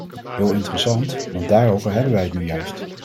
Heel interessant, want daarover hebben wij het nu juist.